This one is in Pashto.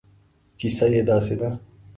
کیسه یې داسې ده.